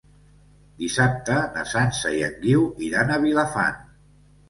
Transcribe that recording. Dissabte na Sança i en Guiu iran a Vilafant.